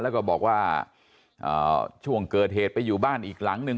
แล้วก็บอกว่าช่วงเกิดเหตุไปอยู่บ้านอีกหลังนึง